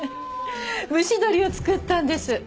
蒸し鶏を作ったんです。